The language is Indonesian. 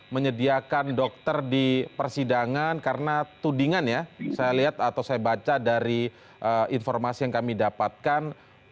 menyediakan dokter di persidangan karena tudingan ya saya lihat atau saya baca dari informasi yang kami dapatkan